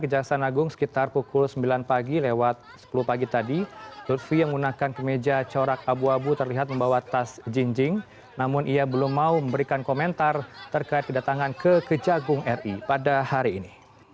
pada saat ini pdip telah mengajukan permohonan penyidikan yang saat ini sedang kpk lakukan